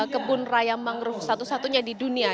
kebun raya mangrove satu satunya di dunia